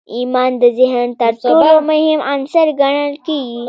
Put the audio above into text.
ايمان د ذهن تر ټولو مهم عنصر ګڼل کېږي.